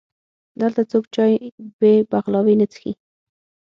دلته څوک چای بې بغلاوې نه څښي.